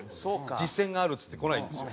実践があるっつって来ないんですよ。